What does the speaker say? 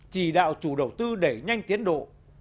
chỉ đạo chủ đầu tư để nhanh tiến độ